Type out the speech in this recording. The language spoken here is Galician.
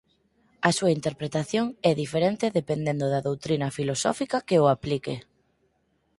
A súa interpretación é diferente dependendo da doutrina filosófica que o aplique.